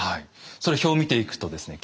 それ表を見ていくとですね